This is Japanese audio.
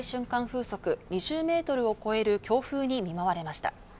風速２０メートルを超える強風に見舞われました。